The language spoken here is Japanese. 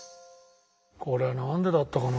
これは何でだったかな？